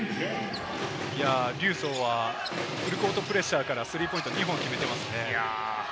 リュウ・ソウはフルコートプレッシャーからスリーポイント２本決めてますね。